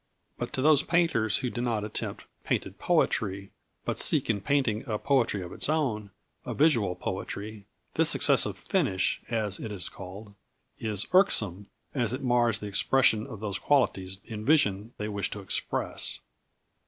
But to those painters who do not attempt "painted poetry," but seek in painting a poetry of its own, a visual poetry, this excessive finish (as it is called) is irksome, as it mars the expression of those qualities in vision they wish to express.